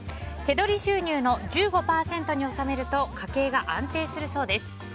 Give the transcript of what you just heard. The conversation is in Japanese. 手取り収入の１５％に収めると家計が安定するそうです。